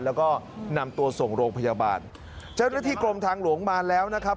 แล้วก็นำตัวส่งโรงพยาบาลเจ้าหน้าที่กรมทางหลวงมาแล้วนะครับ